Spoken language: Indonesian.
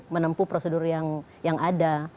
menempuh prosedur yang ada